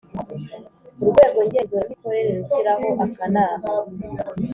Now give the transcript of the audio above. Urwego ngenzuramikorere rushyiraho akanama